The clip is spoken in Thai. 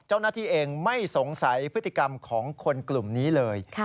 เจ้าหน้าที่เองไม่สงสัยพฤติกรรมของคนกลุ่มนี้เลย